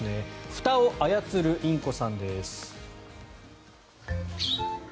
ふたを操るインコさんです。